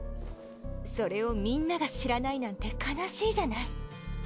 それをみんなが知らないなんて悲しいじゃない。